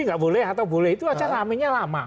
nggak boleh atau boleh itu acara aminnya lama